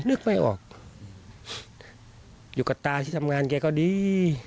นึกไม่ออกอยู่กับตาที่ทำงานแกก็ดี